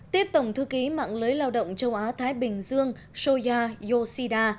tiếp tổng thư ký mạng lưới lao động châu á thái bình dương soya yoshida